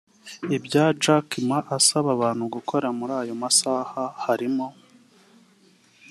Ibyo Jack Ma asaba abantu gukora muri ayo masaha harimo